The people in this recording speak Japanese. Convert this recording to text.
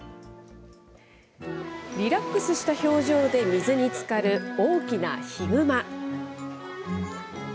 リラックスした表情で水につかる大きなヒグマ。